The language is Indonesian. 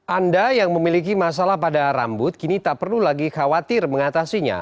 anda yang memiliki masalah pada rambut kini tak perlu lagi khawatir mengatasinya